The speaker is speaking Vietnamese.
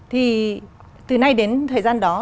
thì từ nay đến thời gian đó